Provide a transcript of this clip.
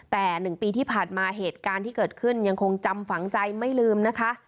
แต่๑ปีที่ผ่านมาเหตุการณ์ที่เกิดขึ้นยังคงจำฝังใจไม่ลืมนะคะ